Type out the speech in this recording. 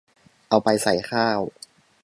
เอาไปใส่ข้าว